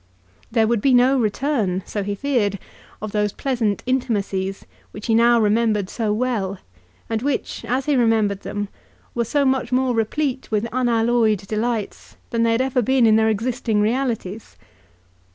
There would be no return, so he feared, of those pleasant intimacies which he now remembered so well, and which, as he remembered them, were so much more replete with unalloyed delights than they had ever been in their existing realities.